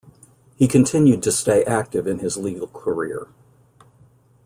He continued to stay active in his legal career.